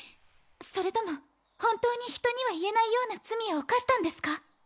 それとも本当に人には言えないような罪を犯したんですか？